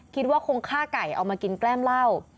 คิดว่าคงฆ่าไก่เอามากินแกล้มเหล้า